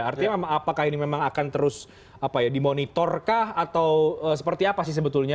artinya apakah ini memang akan terus dimonitorkah atau seperti apa sih sebetulnya